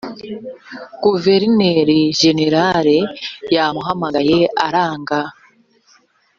guverineri jenerari yamuhamagaye aranga